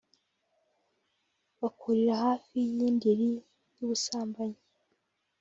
bakurira hafi y’indiri y’ubusambanyi